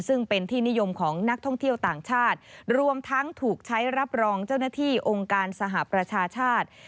ซึ่งเป็นที่นิยมของนักท่องเที่ยวต่างชาติรวมทั้งถูกใช้รับรองเจ้าหน้าที่องค์การสหประชาชาติ